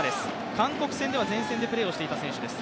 韓国戦では前線でプレーしていた選手です。